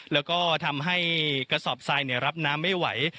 แล้วก็ทำให้กระสอบทรายรับน้ำไม่ไหว